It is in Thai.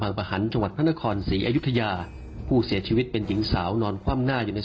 อายุ๔๐ปีสาวโรงงาน